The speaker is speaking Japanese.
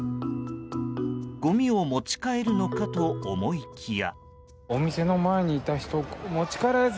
ごみを持ち帰るのかと思いきや。